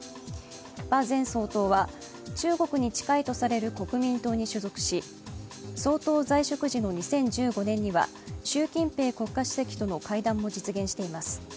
馬前総統は中国に近いとされる国民党に所属し総統在職時の２０１５年には習近平国家主席との会談も実現しています。